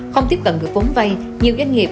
không tiếp cận được vốn vay nhiều doanh nghiệp